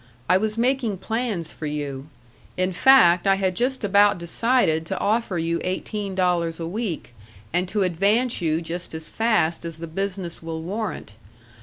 I was making plans for you; in fact, I had just about decided to offer you eighteen dollars a week, and to advance you just as fast as the business will warrant.